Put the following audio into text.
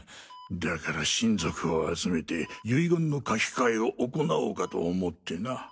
だから親族を集めて遺言の書き換えを行おうかと思ってな。